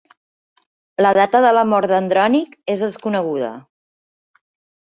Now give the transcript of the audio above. La data de la mort d'Andrònic és desconeguda.